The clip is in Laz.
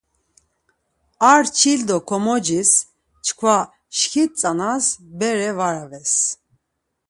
Ar çil do komocis çkva şkit tzanas bere var aves.